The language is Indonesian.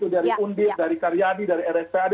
dari undi dari karyadi dari rspad